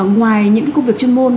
ngoài những công việc chuyên môn